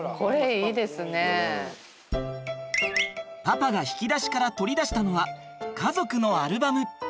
パパが引き出しから取り出したのは家族のアルバム！